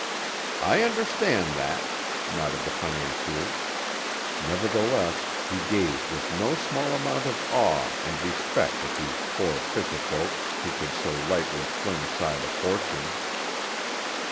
"I understand that," nodded the financier. Nevertheless he gazed with no small amount of awe and respect at these poor fisherfolk who could so lightly fling aside a fortune.